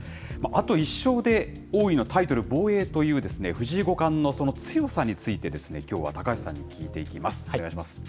あと１勝で王位のタイトル防衛という、藤井五冠のその強さについて、きょうは高橋さんに聞いていきます。